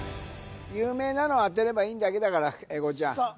有名なの当てればいいだけだから英孝ちゃんさあ